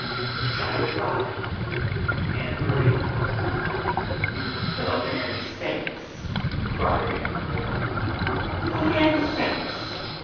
"] CHAPTER V AUNT MARIA "FOR the land's sakes!" cried Aunt Maria. "For the land's sakes!